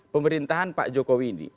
pemerintahan pak joko windy